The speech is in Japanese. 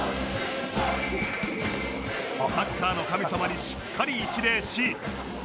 サッカーの神様にしっかり一礼し